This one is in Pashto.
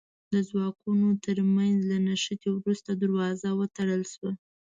د ځواکونو تر منځ له نښتې وروسته دروازه وتړل شوه.